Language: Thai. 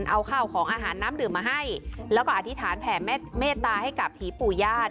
เอาข้าวของอาหารน้ำดื่มมาให้แล้วก็อธิษฐานแผ่เมตตาให้กับผีปู่ญาติ